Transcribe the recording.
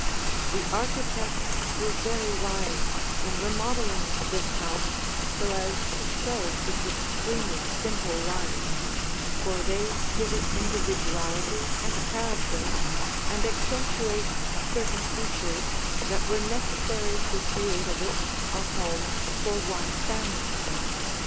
The architects were very wise in remodeling this house so as to show its extremely simple lines, for they give it individuality and character and accentuate certain features that were necessary to create of it a home for one family.